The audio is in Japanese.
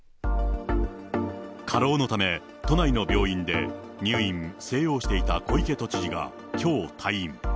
過労のため、都内の病院で入院、静養していた小池都知事がきょう退院。